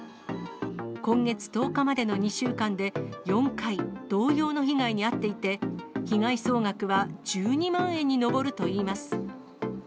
今月１０日までの２週間で４回、同様の被害に遭っていて、被害総額は１２万円に上るといいます。